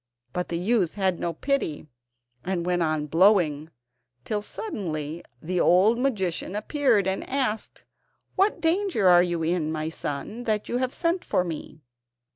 But the youth had no pity, and went on blowing, till suddenly the old magician appeared and asked: "What danger are you in, my son, that you have sent for me?"